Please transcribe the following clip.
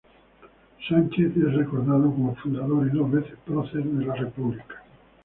Sánchez es recordado como fundador y dos veces prócer de la República.